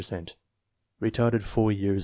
3 per cent Retarded 2 years 7.